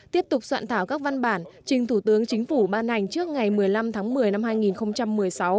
tiếp tục soạn thảo các văn bản trình thủ tướng chính phủ ban hành trước ngày một mươi năm tháng một mươi năm hai nghìn một mươi sáu